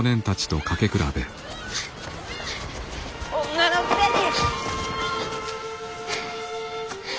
女のくせに！